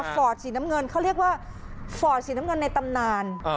ฟอร์ดสีน้ำเงินเขาเรียกว่าฟอร์ดสีน้ำเงินในตำนาน